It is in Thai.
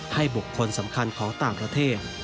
บุคคลสำคัญของต่างประเทศ